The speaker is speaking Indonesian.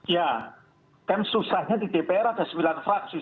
ya kan susahnya di dpr ada sembilan fraksi